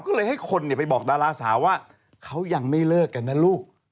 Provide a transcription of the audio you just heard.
ก็เลยให้คนไปบอกดาราสาวว่าเขายังไม่เลิกกันนะลูก